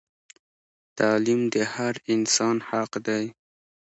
تعلیم د هر انسان حق دی